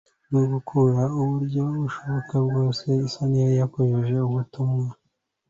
no gukuraho mu buryo bwose bushoboka isoni yari yakojeje ubutumwa.